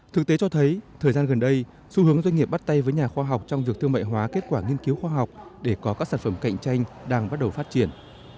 thực tế cho thấy thời gian gần đây xu hướng doanh nghiệp bắt tay với nhà khoa học trong việc thương mại hóa kết quả nghiên cứu khoa học để có các sản phẩm cạnh tranh đang bắt đầu phát triển